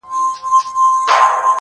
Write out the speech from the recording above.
o عاشق معسوق ډېوه لمبه زاهد ايمان ساتي,